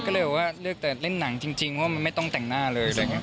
ก็เลยเลือกเติดเล่นหนังจริงเพราะแม่ไม่ต้องแต่งหน้าเลย